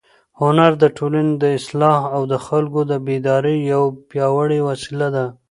هنر د ټولنې د اصلاح او د خلکو د بیدارۍ یوه پیاوړې وسیله ده.